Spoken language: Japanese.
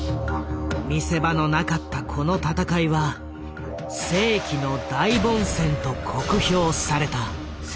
見せ場のなかったこの戦いは「世紀の大凡戦」と酷評された。